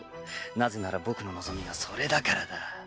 なぜなら僕の望みがそれだからだ。